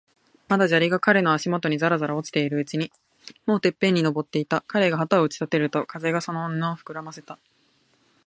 まだ砂利が彼の足もとにざらざら落ちているうちに、もうてっぺんに登っていた。彼が旗を打ち立てると、風がその布をふくらませた。